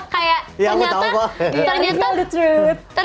karena kayak ternyata